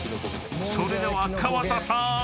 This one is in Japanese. ［それでは川田さーん